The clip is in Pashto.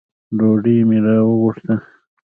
ډوډۍ مي راوغوښته .